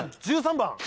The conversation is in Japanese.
１３番。